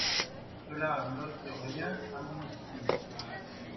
Cela n’ôte rien à mon estime.